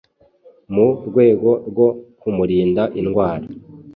mu rwego rwo kumurinda indwara